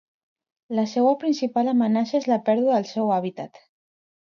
La seua principal amenaça és la pèrdua del seu hàbitat.